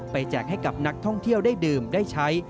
แจกให้กับนักท่องเที่ยวได้ดื่มได้ใช้